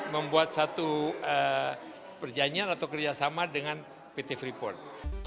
membuat satu perjanjian atau kerjasama dengan pt freeport